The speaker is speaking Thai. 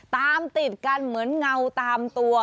ตามติดกันเหมือนเงาตามตัว